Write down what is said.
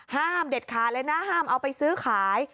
ห้ามเด็ดขาดเลยนะห้ามเอาไปซื้อขาย